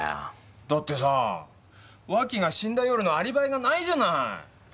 だってさぁ脇が死んだ夜のアリバイがないじゃない。